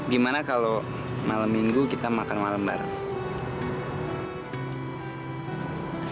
gimana kalau malam minggu kita makan malam bareng